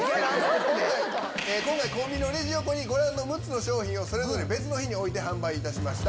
今回、コンビニのレジ横に、ご覧の６つの商品を、それぞれ別の日に置いて販売いたしました。